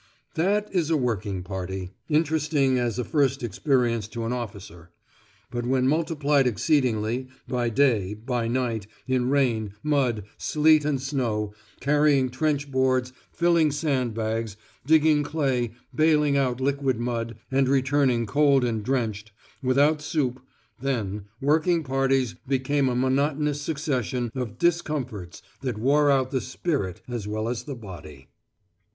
That is a working party: interesting as a first experience to an officer; but when multiplied exceedingly, by day, by night, in rain, mud, sleet, and snow, carrying trench boards, filling sand bags, digging clay, bailing out liquid mud, and returning cold and drenched, without soup then, working parties became a monotonous succession of discomforts that wore out the spirit as well as the body.